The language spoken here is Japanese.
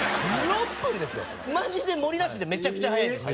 マジで盛りなしでめちゃくちゃ早いんです。